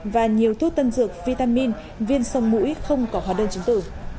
và nhiều thuốc tân dược vitamin viên sông mũi không có hóa đơn chứng tử